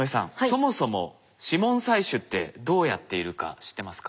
そもそも指紋採取ってどうやっているか知ってますか？